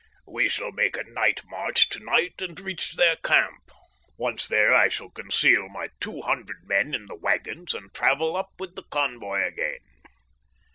We shall make a night march to night and reach their camp. Once there I shall conceal my two hundred men in the waggons and travel up with the convoy again.